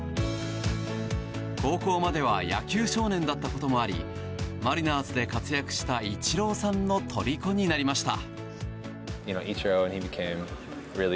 高校までは野球少年だったこともありマリナーズで活躍したイチローさんのとりこになりました。